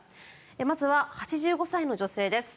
まずは８５歳の女性です。